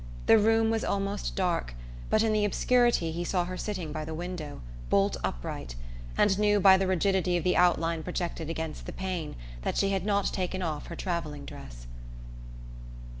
The room was almost dark, but in the obscurity he saw her sitting by the window, bolt upright, and knew by the rigidity of the outline projected against the pane that she had not taken off her travelling dress.